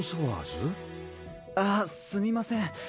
あっすみません。